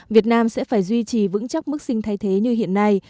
việt nam sẽ phải duy trì vững chắc mức sinh thay thế như hiện nay